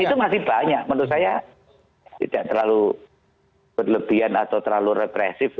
dan itu masih banyak menurut saya tidak terlalu berlebihan atau terlalu represif